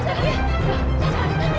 saya akan berangkat